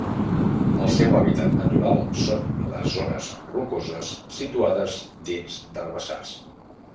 El seu hàbitat natural són les zones rocoses situades dins d'herbassars.